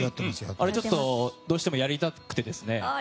あれをどうしてもやりたくてですね。